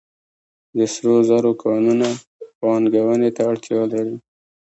د سرو زرو کانونه پانګونې ته اړتیا لري